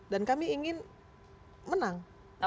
dan kami ingin menang